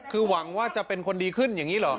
คือหวังว่าจะเป็นคนดีขึ้นอย่างนี้เหรอ